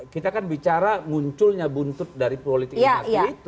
kita kan bicara munculnya buntut dari politik itu